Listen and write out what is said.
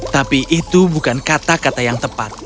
tapi itu bukan kata kata yang tepat